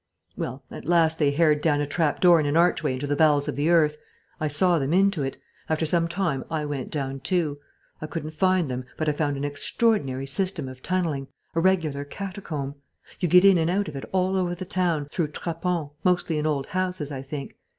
"Well, at last they hared down a trap door in an archway into the bowels of the earth. I saw them into it. After some time I went down too. I couldn't find them, but I found an extraordinary system of tunnelling a regular catacomb. You get in and out of it all over the town, through trappons, mostly in old houses, I think.